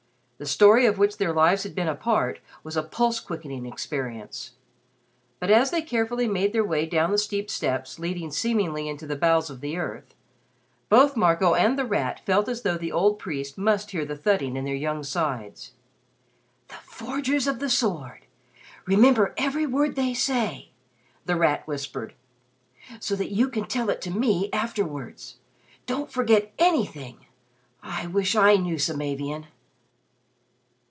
The story of which their lives had been a part was a pulse quickening experience. But as they carefully made their way down the steep steps leading seemingly into the bowels of the earth, both Marco and The Rat felt as though the old priest must hear the thudding in their young sides. "'The Forgers of the Sword.' Remember every word they say," The Rat whispered, "so that you can tell it to me afterwards. Don't forget anything! I wish I knew Samavian."